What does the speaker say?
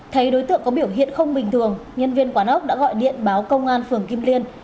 thấy đối tượng có biểu hiện không bình thường nhân viên quán ốc đã gọi điện báo công an phường kim liên